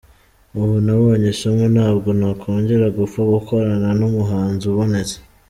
Ubu nabonye isomo ntabwo nakongera gupfa gukorana numuhanzi ubonetse.